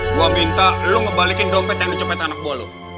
gua minta lu ngebalikin dompet yang dicopet anak buah lu